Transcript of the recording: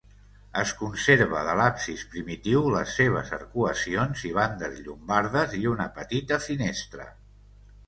Es conserva de l'absis primitiu les seves arcuacions i bandes llombardes i una petita finestra.